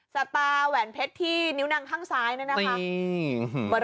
สตาแหวนเพชรที่นิ้วนางข้างซ้ายเนี่ยนะคะ